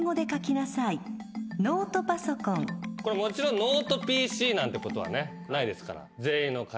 もちろん「ノートＰＣ」なんてことはないですから。